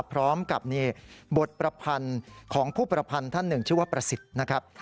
พร้อมกับบทประพันธ์ของผู้ประพันธ์ท่านหนึ่งชื่อว่าประสิทธิ์นะครับ